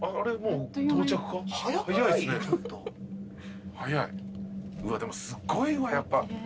うわでもすっごいわやっぱ。